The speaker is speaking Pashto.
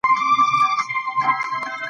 زه د فعالیت د خوند اخیستلو لپاره هڅه کوم.